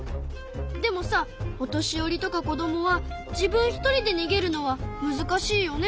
でもさお年寄りとか子どもは自分一人でにげるのはむずかしいよね。